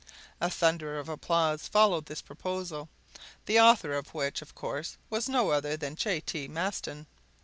A thunder of applause followed this proposal, the author of which was, of course, no other than J. T. Maston.